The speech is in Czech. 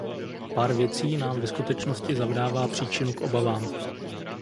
Pár věcí nám ve skutečnosti zavdává příčinu k obavám.